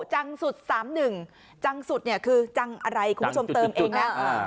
จังสุดสามหนึ่งจังสุดคือจังอะไรคุณผู้ชมเติมเองล่ะ